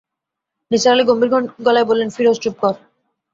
নিসার আলি গম্ভীর গলায় বললেন, ফিরোজ, চুপ কর।